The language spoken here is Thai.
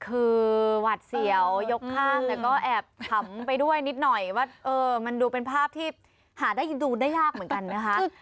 คือหวาดเสียวยกฆากสำคัญไปด้วยนิดหน่อยว่ามันเป็นภาพที่หาได้ยืนดูยากเหมือนกัน